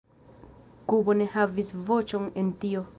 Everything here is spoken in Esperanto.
Kubo ne havis voĉon en tio"”.